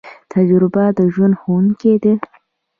تجربه د ژوند ښوونکی ده